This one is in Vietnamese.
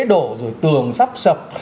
đổ rồi tường sắp sập